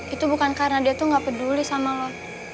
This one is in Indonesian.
itu bukan karena dia tuh gak peduli sama lo